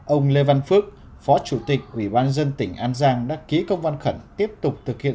ông lê văn phước phó chủ tịch ủy ban dân tỉnh an giang đã ký công văn khẩn tiếp tục thực hiện